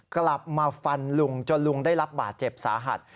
กลับมาฟันลุงจนลุงได้รับบาดเจ็บสาหัส